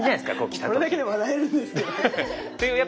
これだけで笑えるんですけど。